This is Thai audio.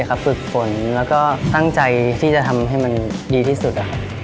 ฝึกฝนแล้วก็ตั้งใจที่จะทำให้มันดีที่สุด